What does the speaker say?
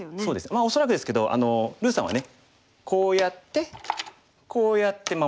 まあ恐らくですけどるぅさんはねこうやってこうやって守る。